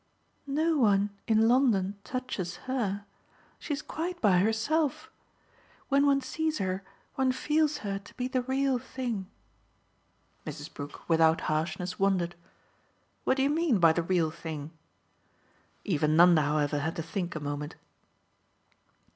"No one in London touches her. She's quite by herself. When one sees her one feels her to be the real thing." Mrs. Brook, without harshness, wondered. "What do you mean by the real thing?" Even Nanda, however, had to think a moment.